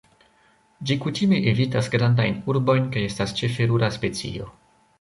Ĝi kutime evitas grandajn urbojn kaj estas ĉefe rura specio.